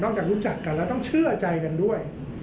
จากรู้จักกันแล้วต้องเชื่อใจกันด้วย